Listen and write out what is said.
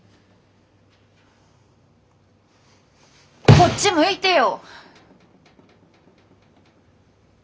こっち向いてよ！